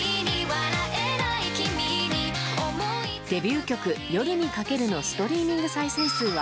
デビュー曲「夜に駆ける」のストリーミング再生数は